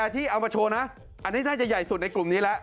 นี่น่าจะใหญ่สุดในกลุ่มนี้แล้ว